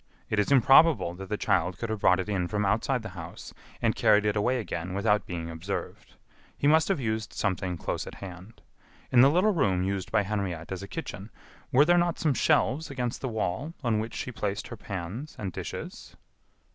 It is improbable that the child could have brought it in from outside the house and carried it away again without being observed. He must have used something close at hand. In the little room used by Henriette as a kitchen, were there not some shelves against the wall on which she placed her pans and dishes?"